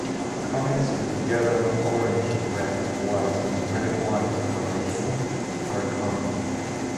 Comets with yellow, orange, red, white, and red-and-white coloration are common.